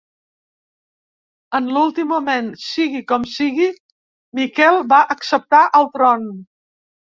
En l'últim moment, sigui com sigui, Miquel va acceptar el tron.